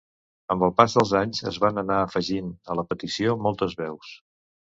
Amb el pas dels anys es van anar afegint a la petició moltes veus.